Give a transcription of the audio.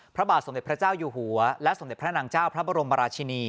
พระบาทสมเด็จพระเจ้าอยู่หัวและสมเด็จพระนางเจ้าพระบรมราชินี